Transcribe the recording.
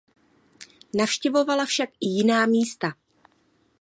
Navštěvovala však i jiná místa.